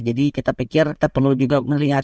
jadi kita pikir kita perlu juga melihat